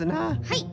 はい。